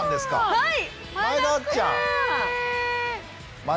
はい。